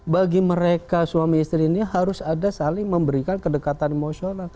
bagi mereka suami istri ini harus ada saling memberikan kedekatan emosional